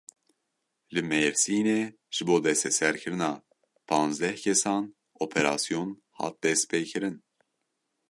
Li Mêrsînê ji bo desteserkirina panzdeh kesan operasyon hat destpêkirin.